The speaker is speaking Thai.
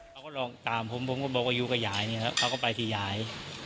พวกเขาลองตามผมผมก็บอกว่าอยู่กับหยายเนี่ยเขาก็ไปที่หยาย